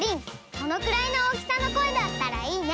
そのくらいの大きさの声だったらいいね。